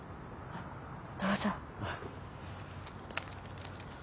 あっどうぞ。